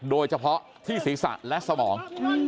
โดยเฉพาะที่ศีรษะและสมอง